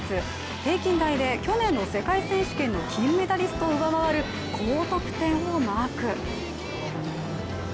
平均台で去年の世界選手権の金メダリストを上回る高得点をマーク。